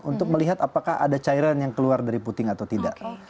untuk melihat apakah ada cairan yang keluar dari puting atau tidak